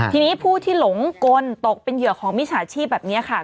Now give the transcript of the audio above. ทีนี้ผู้ที่หลงกลตกเป็นเหยื่อของมิจฉาชีพแบบนี้ค่ะ